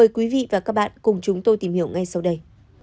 mời quý vị và các bạn cùng chúng tôi tìm hiểu ngay sau đây